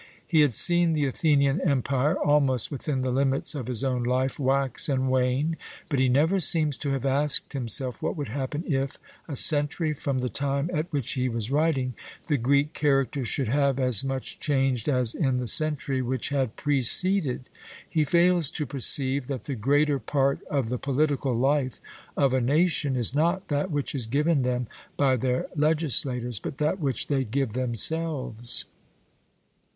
He had seen the Athenian empire, almost within the limits of his own life, wax and wane, but he never seems to have asked himself what would happen if, a century from the time at which he was writing, the Greek character should have as much changed as in the century which had preceded. He fails to perceive that the greater part of the political life of a nation is not that which is given them by their legislators, but that which they give themselves.